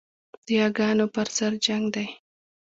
د یاګانو پر سر جنګ دی